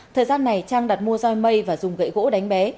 thời gian này trang đặt mua roi mây và dùng gậy gỗ đánh bé